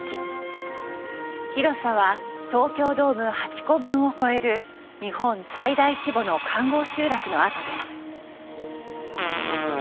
広さは東京ドーム８個分を超える日本最大規模の環濠集落の跡です。